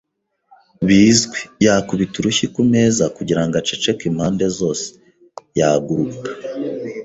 bizwi; yakubita urushyi ku meza kugira ngo aceceke impande zose; yaguruka